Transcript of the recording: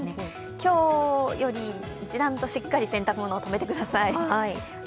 今日より一段としっかり洗濯物をとめてください。